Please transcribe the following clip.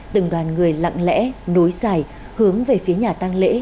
từng đoàn người lặng lẽ nối dài hướng về phía nhà tăng lễ